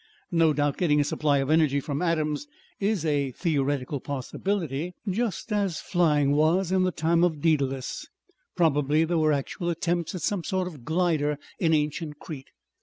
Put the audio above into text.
No doubt getting a supply of energy from atoms is a theoretical possibility, just as flying was in the time of Daedalus; probably there were actual attempts at some sort of glider in ancient Crete.